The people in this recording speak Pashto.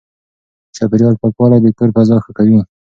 چاپېريال پاکوالی د کور فضا ښه کوي.